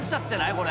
これ。